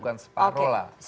bukan separoh lah